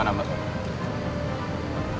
jangan sampai biar rempah jadi merdia